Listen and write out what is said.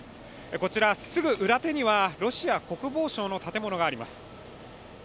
こちら、すぐ裏手には、ロシア国防省の建物があります。